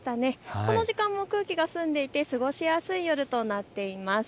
この時間も空気が澄んでいて過ごしやすい夜となっています。